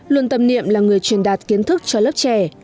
luân tâm niệm là người truyền đạt kiến thức cho lớp trẻ